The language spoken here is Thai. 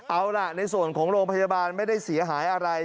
เอาล่ะในส่วนของโรงพยาบาลไม่ได้เสียหายอะไร